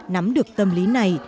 nắm được tâm lý này